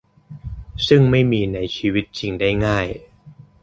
ซึ่งไม่มีในชีวิตจริงได้ง่าย